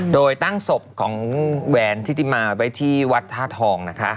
โดยตั้งศพของแหวนทิติมาไว้ที่วัดท่าทองนะคะ